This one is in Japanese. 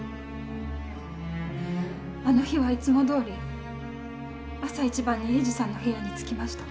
あの日はいつもどおり朝一番に栄治さんの部屋に着きました。